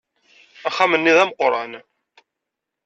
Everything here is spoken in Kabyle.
Axxam-nni d ameqqran.